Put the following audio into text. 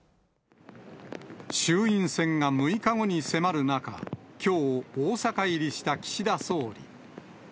衆院選が６日後に迫る中、きょう、大阪入りした岸田総理。